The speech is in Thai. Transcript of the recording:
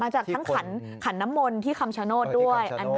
จากทั้งขันน้ำมนต์ที่คำชโนธด้วย